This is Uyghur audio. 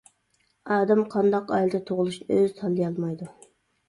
ئادەم قانداق ئائىلىدە تۇغۇلۇشنى ئۆزى تاللىيالمايدۇ.